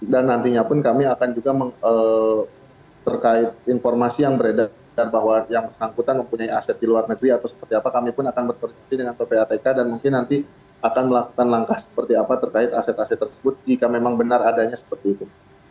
nantinya pun kami akan juga terkait informasi yang beredar bahwa yang bersangkutan mempunyai aset di luar negeri atau seperti apa kami pun akan berkoordinasi dengan ppatk dan mungkin nanti akan melakukan langkah seperti apa terkait aset aset tersebut jika memang benar adanya seperti itu